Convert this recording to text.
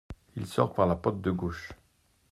II sort par la porte de gauche.